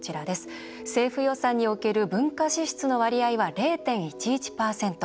政府予算における文化支出の割合は０．１１％。